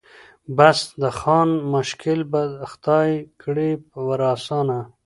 بس د خان مشکل به خدای کړي ور آسانه